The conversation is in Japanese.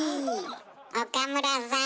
「岡村さん！！」。